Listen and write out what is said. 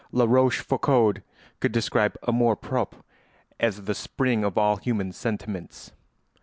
La Rochefoucauld could describe amour propre as the spring of all human sentiments.